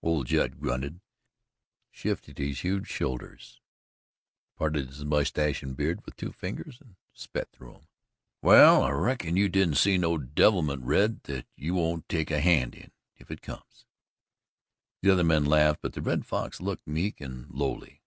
Old Judd grunted, shifted his huge shoulders, parted his mustache and beard with two fingers and spat through them. "Well, I reckon you didn't see no devilment. Red, that you won't take a hand in, if it comes." The other men laughed, but the Red Fox looked meek and lowly.